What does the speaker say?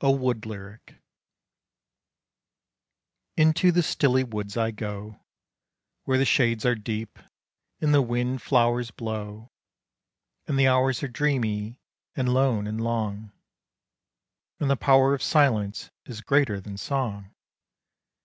A Wood Lyric Into the stilly woods I go, Where the shades are deep and the wind flowers blow, And the hours are dreamy and lone and long, And the power of silence is greater than song.